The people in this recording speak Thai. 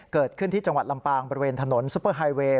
เกิดขึ้นที่จังหวัดลำปางบริเวณถนนซุปเปอร์ไฮเวย์